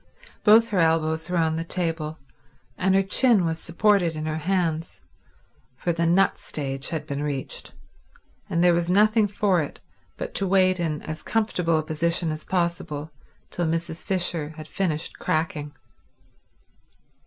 Both her elbows were on the table and her chin was supported in her hands, for the nut stage had been reached, and there was nothing for it but to wait in as comfortable as position as possible till Mrs. Fisher had finished cracking.